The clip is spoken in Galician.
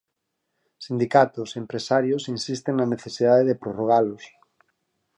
Sindicatos e empresarios insisten na necesidade de prorrogalos.